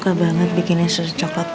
kau mau minum susu cokelat